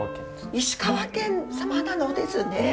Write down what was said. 石川県様なのですね。